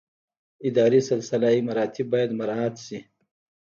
اداري سلسله مراتب باید مراعات شي